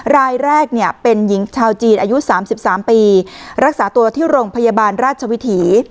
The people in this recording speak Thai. รายแรกเนี่ยเป็นหญิงชาวจีนอายุ๓๓ปีรักษาตัวที่โรงพยาบาลราชวิถี